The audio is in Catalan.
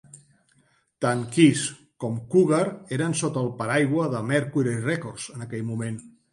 Tant Kiss com Cougar eren sota el paraigua de Mercury Records en aquell moment.